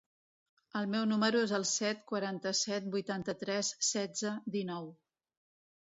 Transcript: El meu número es el set, quaranta-set, vuitanta-tres, setze, dinou.